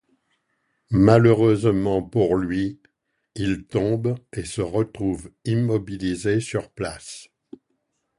Malheureusement pour lui, il tombe et se retrouve immobilisé sur place.